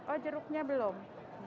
oh jeruknya belum